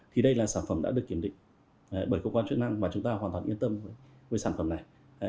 thì đây là sản phẩm đã được kiểm định bởi cơ quan chức năng và chúng ta hoàn toàn yên tâm với sản phẩm này